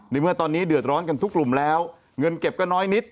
เมื่อตอนนี้เดือดร้อนกันทุกกลุ่มแล้วเงินเก็บก็น้อยนิด